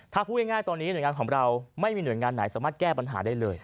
ถ้าพูดง่ายตอนนี้หน่วยงานของเราไม่มีหน่วยงานไหนสามารถแก้ปัญหาได้เลย